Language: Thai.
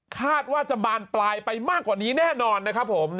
คาดว่าจะบานปลายไปมากกว่านี้แน่นอนนะครับผม